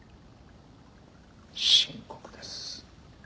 深刻です。